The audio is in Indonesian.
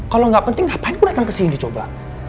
kalau gak penting ngapain gue datang kesini coba